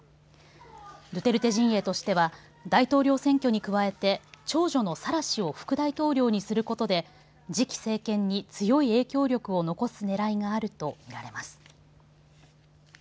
ドゥテルテ陣営としては大統領選挙に加えて長女のサラ氏を副大統領にすることで次期政権に強い影響力を残すねらいがあるとみられます。